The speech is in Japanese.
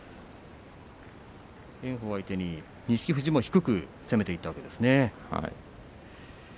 炎鵬相手に錦富士も低く攻めていったんですね。